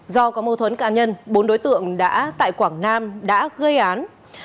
do có mâu thuẫn cá nhân bốn đối tượng đã tại quảng nam đã gây án